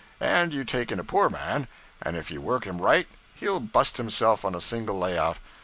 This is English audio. And you take in a poor man, and if you work him right he'll bust himself on a single lay out.